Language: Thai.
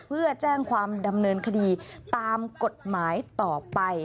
เพื่อแจ้งความดำเนินคดีตามกฎหมายต่อไป